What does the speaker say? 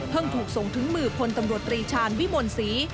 ถูกส่งถึงมือพลตำรวจตรีชาญวิมลศรี